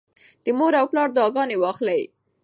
د مور او پلار دعاګانې واخلئ.